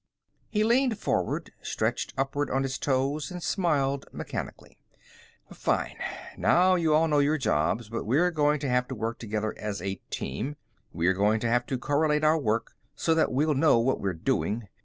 He leaned forward, stretched upward on his toes, and smiled mechanically. "Fine. Now, you all know your jobs, but we're going to have to work together as a team. We're going to have to correlate our work so that we'll know what we're doing.